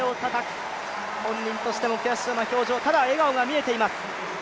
本人としても悔しそうな表情ただ笑顔が見えています。